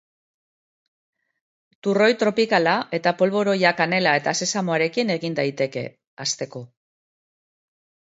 Turroi tropikala eta polboroiak kanela eta sesamoarekin egin daiteke, hasteko.